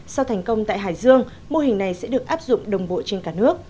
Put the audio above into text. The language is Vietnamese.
sau thành công tại hải dương mô hình này sẽ được áp dụng đồng bộ trên cả nước